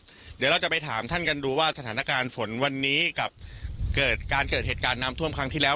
เดี๋ยวเราจะไปถามท่านกันดูว่าสถานการณ์ฝนกับเกิดเหตุงานนามท่วมครั้งที่แล้ว